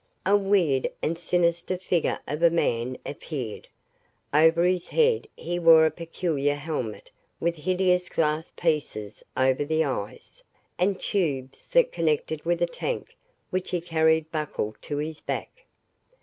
A weird and sinister figure of a man appeared. Over his head he wore a peculiar helmet with hideous glass pieces over the eyes, and tubes that connected with a tank which he carried buckled to his back.